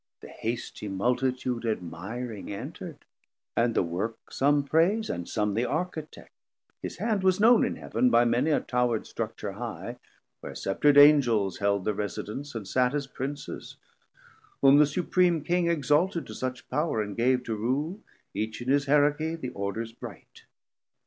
The hasty multitude 730 Admiring enter'd, and the work some praise And some the Architect: his hand was known In Heav'n by many a Towred structure high, Where Scepter'd Angels held thir residence, And sat as Princes, whom the supreme King Exalted to such power, and gave to rule, Each in his Herarchie, the Orders bright.